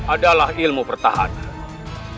adalah ilmu pertahanan